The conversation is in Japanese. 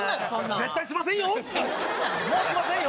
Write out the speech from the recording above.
絶対しませんよ。